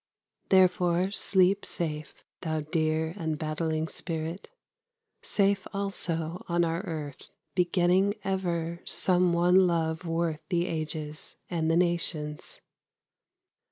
Therefore sleep safe, thou dear and battling spirit, Safe also on our earth, begetting ever Some one love worth the ages and the nations!